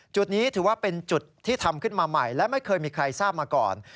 จุดนี้ถือว่าเป็นจุดที่ทำขึ้นมาใหม่และไม่เคยมีใครทราบมาก่อน